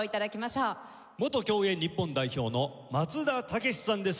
元競泳日本代表の松田丈志さんです。